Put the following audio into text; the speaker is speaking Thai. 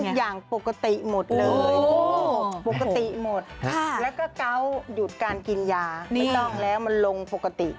ทุกอย่างปกติหมดเลยปกติหมดแล้วก็เกาะหยุดการกินยาไม่ต้องแล้วมันลงปกติ